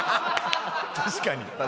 確かに。